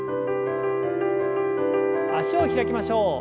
脚を開きましょう。